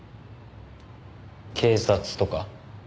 警察とか？